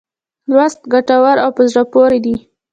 لوستل ګټور او په زړه پوري دي.